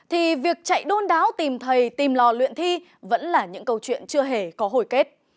thì việc chạy đôn đáo tìm thầy tìm lò luyện thi vẫn là những câu chuyện chưa hề có hồi kết